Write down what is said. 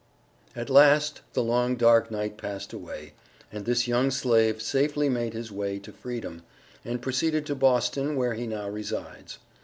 At last, the long, dark night passed away, and this young slave safely made his way to freedom, and proceeded to Boston, where he now resides.